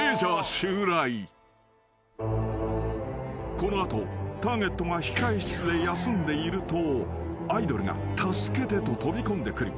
［この後ターゲットが控室で休んでいるとアイドルが助けてと飛び込んでくる］